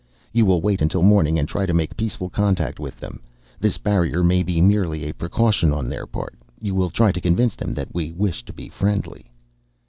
You will wait until morning and try to make peaceful contact with them. This barrier may be merely a precaution on their part. You will try to convince them that we wish to be friendly."